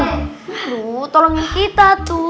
tuh tolongin kita tuh